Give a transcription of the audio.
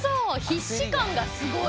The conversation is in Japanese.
必死感がすごい。